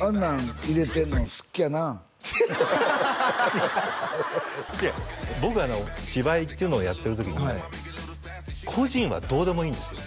あんなん入れてんの好っきゃな違う違う僕芝居っていうのをやってる時に個人はどうでもいいんですよ